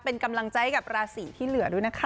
เป็นกำลังใจกับราศีที่เหลือด้วยนะคะ